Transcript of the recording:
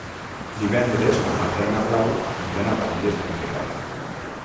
Divendres na Marta i na Blau aniran a Banyeres de Mariola.